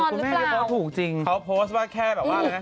งอนหรือเปล่าคุณแม่ดูว่าถูกจริงเค้าโพสต์ว่าแค่แบบว่านะ